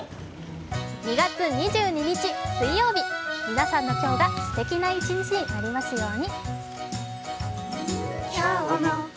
２月２２日水曜日、皆さんの今日がすてきな一日になりますように。